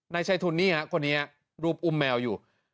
นายชัยทุนนี่ฮะคนนี้รูปอุ้มแมวอยู่